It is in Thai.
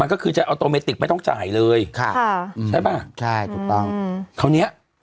มันก็คือจะไม่ต้องจ่ายเลยค่ะใช่ป่ะใช่ถูกต้องเขาเนี้ย